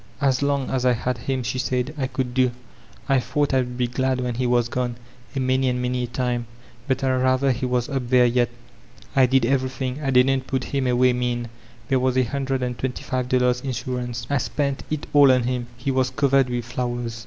— "As long as I had him," she said, ''I could do. I thought I'd be glad when he was gone, a many and many a time. But Fd rather he was up there yet ... I did everything* I didn't pot him away mean. There was a hundred and twenty five dollars insurance. I spent it an on him. He was covered with flowers.